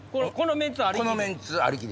このメンツありき？